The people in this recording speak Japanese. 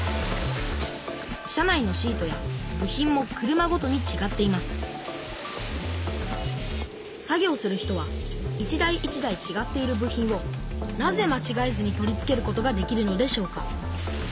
車内のシートや部品も車ごとにちがっています作業する人は一台一台ちがっている部品をなぜまちがえずに取り付けることができるのでしょうか。